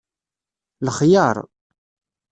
Ixyar